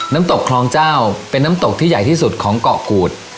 น้ำตกคลองเจ้าเป็นน้ำตกที่ใหญ่ที่สุดของเกาะกูด